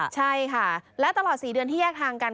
ใช่ค่ะและตลอด๔เดือนที่แยกทางกัน